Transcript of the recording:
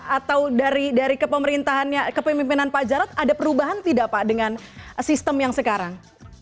atau dari kepemimpinan pak jarod ada perubahan tidak pak dengan sistem yang sekarang